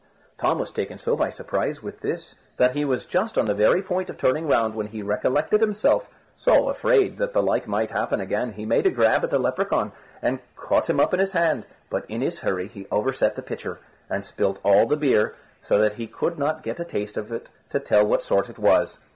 Tom was taken so by surprise with this that he was just on the very point of turning round when he recollected himself; so, afraid that the like might happen again, he made a grab at the Lepracaun, and caught him up in his hand; but in his hurry he overset the pitcher, and spilt all the beer, so that he could not get a taste of it to tell what sort it was.